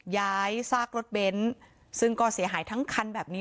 ซากรถเบนท์ซึ่งก็เสียหายทั้งคันแบบนี้